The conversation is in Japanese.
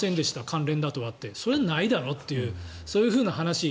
関連だとはってそれはないだろというそういうふうな話。